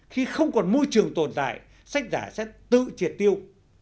khi không còn môi trường tồn tại sách giả sẽ tự triệt tiêu